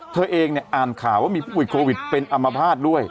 เธอเองอ่านข่าวว่ามีผู้ป่วยโควิดเป็นอัมพาตด้วย